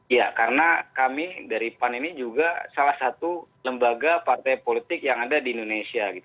ya karena kami dari pan ini juga salah satu lembaga partai politik yang ada di indonesia